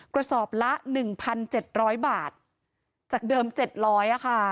กระสอบละ๑๗๐๐บาทจากเดิม๗๐๐ค่ะ